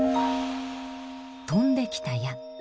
飛んできた矢